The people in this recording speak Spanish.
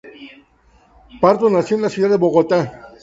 Pardo nació en la ciudad de Bogotá.